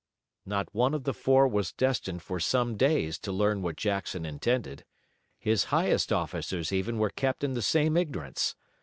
Not one of the four was destined for some days to learn what Jackson intended. His highest officers even were kept in the same ignorance.